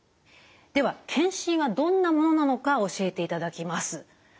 では検診はどんなものなのか教えていただきます。